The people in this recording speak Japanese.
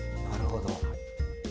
なるほど。